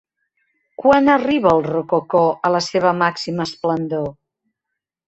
Quan arriba el rococó a la seva màxima esplendor?